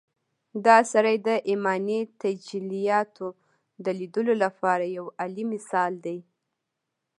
دا سړی د ايماني تجلياتود ليدو لپاره يو اعلی مثال دی.